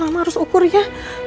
mama harus ukur ya